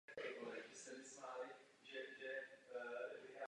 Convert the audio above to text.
Situace řeckého hospodářství vyvolává bezpochyby mnoho emocí.